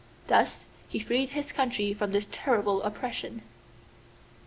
Thus he freed his country from this terrible oppression.